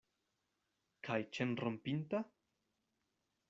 Kaj ĉenrompinta?